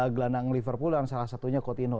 gelandang liverpool dan salah satunya coutinho